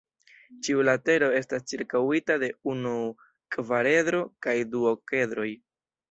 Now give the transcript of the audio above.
Ĉiu latero estas ĉirkaŭita de unu kvaredro kaj du okedroj.